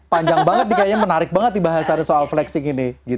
panjang banget nih kayaknya menarik banget di bahasannya soal flexing ini